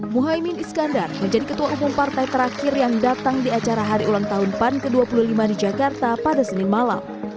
muhaymin iskandar menjadi ketua umum partai terakhir yang datang di acara hari ulang tahun pan ke dua puluh lima di jakarta pada senin malam